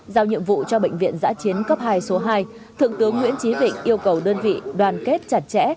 giao nhiệm vụ cho bệnh viện giã chiến cấp hai số hai thượng tướng nguyễn trí vịnh yêu cầu đơn vị đoàn kết chặt chẽ